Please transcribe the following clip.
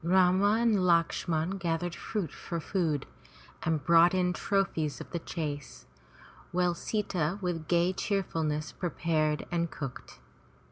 Rama and Lakshman gathered fruit for food and brought in trophies of the chase, which Sita with gay cheerfulness prepared and cooked.